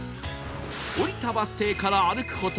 降りたバス停から歩く事